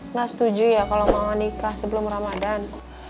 nggak setuju ya kalau mama nikah sebelum ramadan